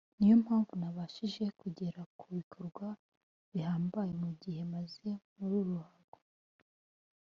niyo mpamvu nabashije kugera ku bikorwa bihambaye mu gihe maze muri ruhago